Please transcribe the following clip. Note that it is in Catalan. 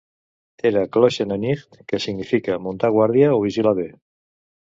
Era "Kloshe Nanitch", que significa "muntar guàrdia" o "vigilar bé".